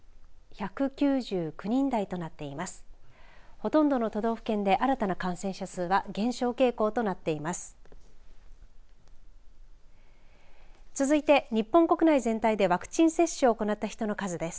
ほとんどの都道府県で新たな感染者数は減少傾向となっています。